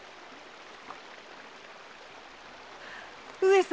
上様。